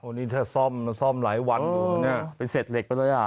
อันนี้ถ้าซ่อมซ่อมหลายวันเป็นเสร็จเหล็กก็เลยอ่ะ